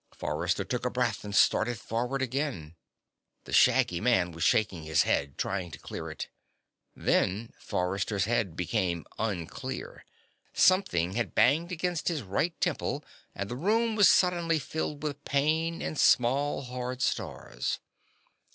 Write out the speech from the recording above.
Forrester took a breath and started forward again. The shaggy man was shaking his head, trying to clear it. Then Forrester's head became unclear. Something had banged against his right temple and the room was suddenly filled with pain and small, hard stars.